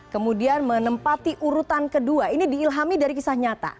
kemudian menempati urutan kedua ini diilhami dari kisah nyata